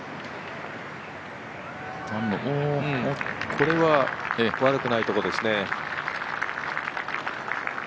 これは悪くないところですね。